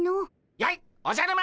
やいおじゃる丸！